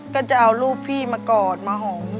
ก็จะเอารูปพี่มากอดมาหอม